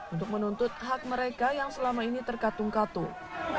untuk menuntut hak mereka yang selama ini terkatung katung